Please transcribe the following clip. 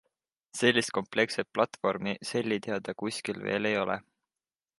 Sellist komplektset platvormi Selli teada kuskil veel ei ole.